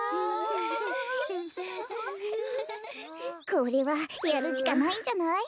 これはやるしかないんじゃない？